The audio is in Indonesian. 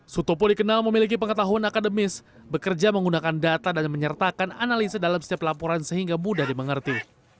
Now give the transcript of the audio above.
sutopo dikenal memiliki pengetahuan akademis bekerja menggunakan data dan menyertakan analisa dalam setiap laporan sehingga mudah dimengerti